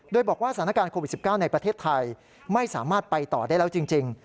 โดยบอกว่าสถานการณ์โควิด๑๙ในประเทศไทยไม่สามารถไปต่อได้แล้วจริง